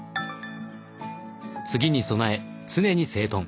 「次に備え常に整頓」。